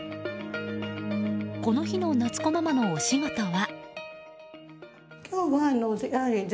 この日のなつこママのお仕事は。